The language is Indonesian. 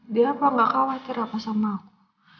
dia apa nggak khawatir apa sama aku